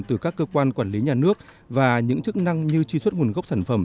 từ các cơ quan quản lý nhà nước và những chức năng như truy xuất nguồn gốc sản phẩm